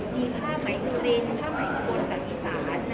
มีภาพไหมซุรินภาพไหมมันบนฝันฐีสาธารย์